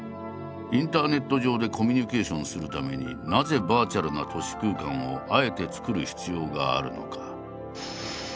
インターネット上でコミュニケーションするためになぜバーチャルな都市空間をあえて作る必要があるのか。